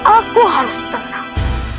aku harus tenang